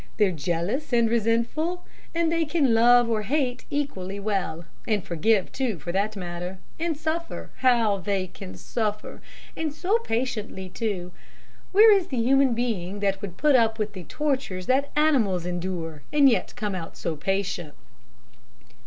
They're jealous and resentful, and they can love or hate equally well and forgive, too, for that matter; and suffer how they can suffer, and so patiently, too. Where is the human being that would put up with the tortures that animals endure and yet come out so patient?"